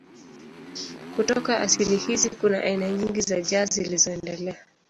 Kutoka asili hizi kuna aina nyingi za jazz zilizoendelea.